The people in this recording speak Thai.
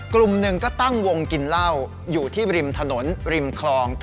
กลุ่มหนึ่งก็ตั้งวงกินเหล้าอยู่ที่ริมถนนริมคลอง๙